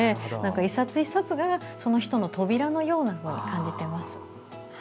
１冊１冊がその人の扉のように感じています。